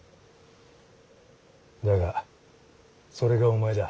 だがそれがお前だ。